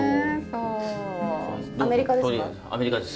アメリカですか？